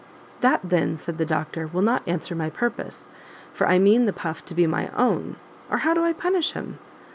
"That, then," said the doctor, "will not answer my purpose, for I mean the puff to be my own, or how do I punish him?